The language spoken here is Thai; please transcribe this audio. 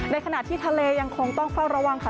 ขณะที่ทะเลยังคงต้องเฝ้าระวังค่ะ